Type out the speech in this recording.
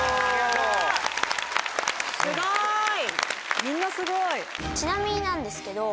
おすごい。